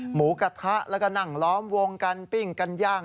หมูกระทะแล้วก็นั่งล้อมวงกันปิ้งกันย่าง